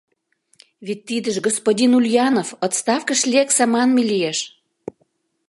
Вет тидыже «Господин Ульянов, отставкыш лекса» манме лиеш.